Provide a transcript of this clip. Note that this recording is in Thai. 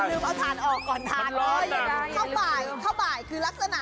อย่าลืมเอาทานออกก่อนทาน